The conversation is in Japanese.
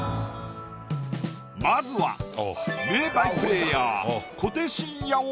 まずは名バイプレーヤー。